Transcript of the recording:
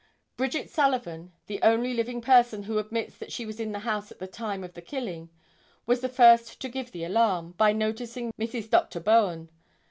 ] Bridget Sullivan, the only living person who admits that she was in the house at the time of the killing, was the first to give the alarm, by notifying Mrs. Dr. Bowen.